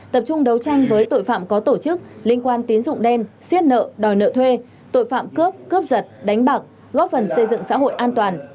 tập trung đấu tranh với tội phạm có tổ chức liên quan tín dụng đen siết nợ đòi nợ thuê tội phạm cướp cướp giật đánh bạc góp phần xây dựng xã hội an toàn